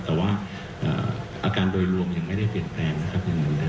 แต่ว่าอาการโดยรวมยังไม่ได้เปลี่ยนแปลงนะครับ